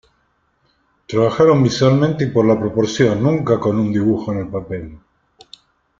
Trabajaron visualmente y por la proporción, nunca con un dibujo en el papel.